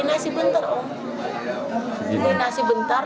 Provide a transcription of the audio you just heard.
anak saya sampai begini beli nasi bentar om